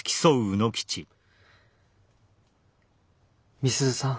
美鈴さん